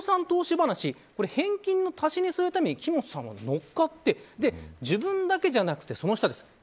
結果、Ｂ氏から今後、別の不動産投資話これ、返金の足しにするために木本さん乗っかって自分だけじゃなくて、その下です。